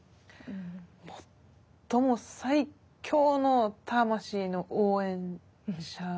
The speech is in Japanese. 最も最強の魂の応援者。